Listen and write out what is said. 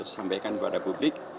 sampaikan kepada publik